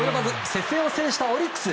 接戦を制したオリックス。